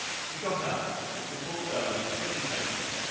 He got up, but before going hesitated.